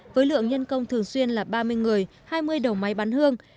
với lượng nhân công thường xuyên là ba mươi người hai mươi đầu máy bán hương